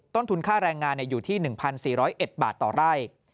ต้นทุนค่าแรงงานอยู่ที่๑๔๐๑บาทต่อไร่